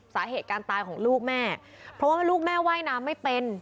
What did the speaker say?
สาเหตุการตายของลูกแม่เพราะว่าลูกแม่ว่ายน้ำไม่เป็น